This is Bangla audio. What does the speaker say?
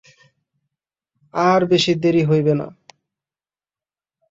আর বেশি দেরি হইবে না।